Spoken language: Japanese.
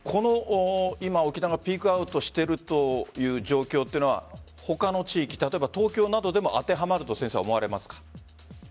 沖縄がピークアウトしているという状況というのは他の地域、例えば東京などでも当てはまると思われますか？